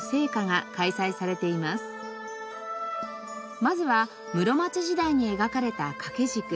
まずは室町時代に描かれた掛け軸。